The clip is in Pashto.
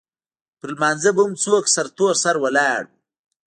پر لمانځه به هم څوک سرتور سر ولاړ وو.